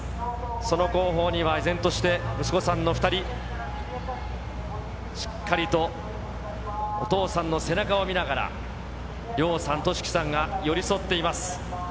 その後方には、依然として、息子さんの２人、しっかりとお父さんの背中を見ながら、凌央さん、隼輝さんが寄り添っています。